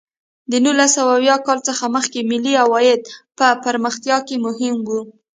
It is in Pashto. د نولس سوه اویا کال څخه مخکې ملي عاید په پرمختیا کې مهم و.